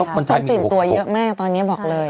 มันต้องติดตัวเยอะแม่ตอนนี้บอกเลย